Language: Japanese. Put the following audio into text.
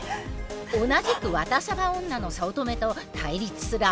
同じくワタサバ女の早乙女と対立する網浜。